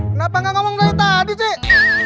kenapa gak ngomong dari tadi sih